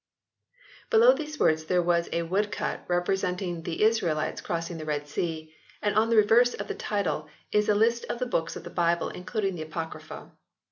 Below these words there is a wood cut representing the Israelites crossing the Red Sea, and on the reverse of the title is a list of the books of the Bible, including the Apocrypha.